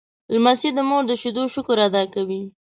لمسی د مور د شیدو شکر ادا کوي.